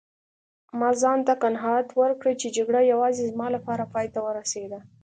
ما ځانته قناعت ورکړ چي جګړه یوازې زما لپاره پایته ورسیده.